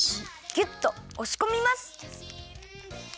ぎゅっとおしこみます！